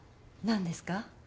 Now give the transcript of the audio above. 何ですか？